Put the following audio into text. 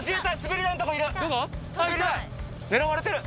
狙われてる。